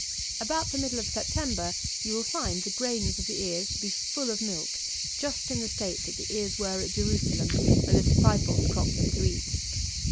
About the middle of September you will find the grains of the ears to be full of milk, just in the state that the ears were at Jerusalem when the disciples cropped them to eat.